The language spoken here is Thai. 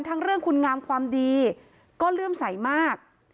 เรื่องคุณงามความดีก็เลื่อมใสมาก